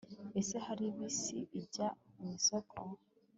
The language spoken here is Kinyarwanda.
Ese Hari bisi ijya mu isoko